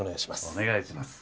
お願いします。